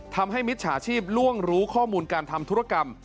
มิจฉาชีพล่วงรู้ข้อมูลการทำธุรกรรม